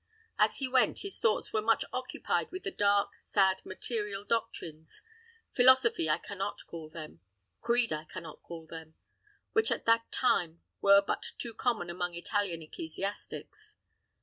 As he went, his thoughts were much occupied with the dark, sad, material doctrines philosophy I can not call them creed I can not call them which at that time were but too common among Italian ecclesiastics.